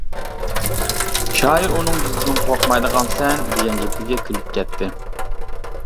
شائىر ئۇنىڭ بىزدىن قورقمايدىغانسەن دېگەن گېپىگە كۈلۈپ كەتتى.